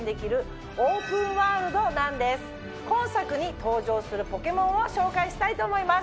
今作に登場するポケモンを紹介したいと思います。